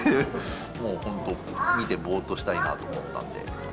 もうほんと、見てぼーっとしたいなと思ったので。